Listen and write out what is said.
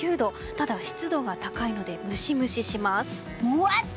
ただ、湿度が高いのでムシムシします。